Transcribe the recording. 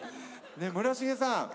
村重さん